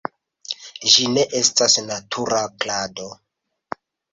Ĝi ne estas natura klado.